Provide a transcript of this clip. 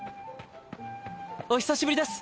お久しぶりです